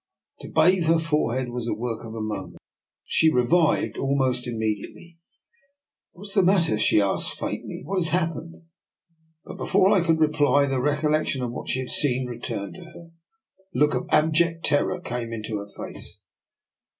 To bathe her forehead was the work of a moment. She revived almost immediately. What is the matter? " she asked faintly. What has happened? " But before I could reply, the recollection of what she had seen returned to her. A look of abject terror came into her face.